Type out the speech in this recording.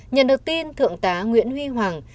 nhận được tin thượng tá nguyễn huy hoàng